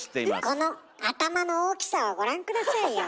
この頭の大きさをご覧下さいよ。